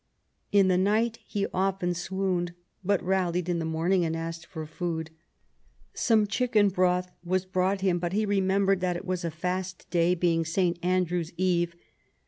In the night he often swooned, but rallied in the morning and asked for food. Some chicken broth was brought him, but he remembered that it was a fast day, being St. Andrew's Eve.